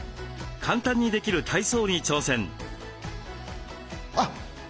簡単にできる体操に挑戦。